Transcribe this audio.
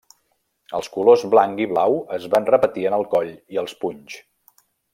Els colors blanc i blau es van repetir en el coll i els punys.